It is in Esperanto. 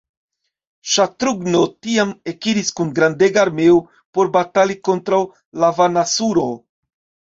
Ŝatrughno tiam ekiris kun grandega armeo por batali kontraŭ Lavanasuro.